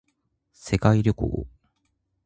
世界旅行